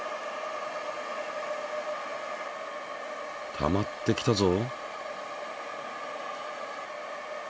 たまってきたぞ。